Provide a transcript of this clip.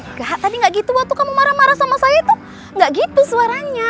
enggak tadi gak gitu waktu kamu marah marah sama saya tuh gak gitu suaranya